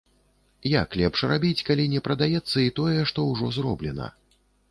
Як лепш рабіць, калі не прадаецца і тое, што ўжо зроблена?